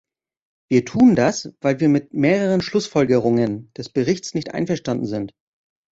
Wir tun das, weil wir mit mehreren Schlussfolgerungen des Berichts nicht einverstanden sind.